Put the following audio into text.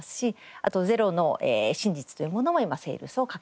あと『ゼロの真実』というものも今セールスをかけております。